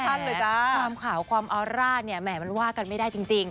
ความขาวความออร่าเนี่ยแหมมันว่ากันไม่ได้จริง